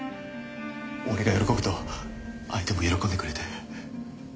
俺が喜ぶと相手も喜んでくれて。